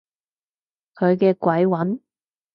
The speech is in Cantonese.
佢嘅鬼魂？